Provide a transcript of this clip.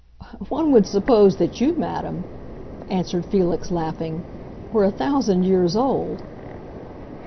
"One would suppose that you, madam," answered Felix, laughing, "were a thousand years old."